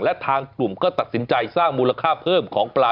และทางกลุ่มก็ตัดสินใจสร้างมูลค่าเพิ่มของปลา